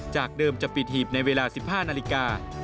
จากเดิมจะปิดหีบในเวลา๑๕นาฬิกา